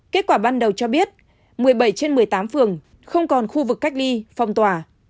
kết quả ban đầu cho biết một mươi bảy trên một mươi tám phường không còn khu vực cách ly phong tỏa